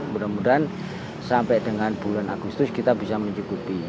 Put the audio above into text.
mudah mudahan sampai dengan bulan agustus kita bisa mencukupi